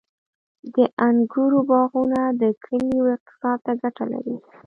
• د انګورو باغونه د کلیو اقتصاد ته ګټه لري.